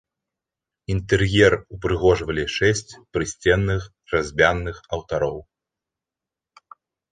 Інтэр'ер упрыгожвалі шэсць прысценных разьбяных алтароў.